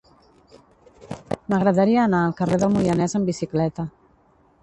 M'agradaria anar al carrer del Moianès amb bicicleta.